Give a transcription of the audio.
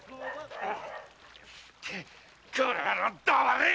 〔この野郎黙れっ！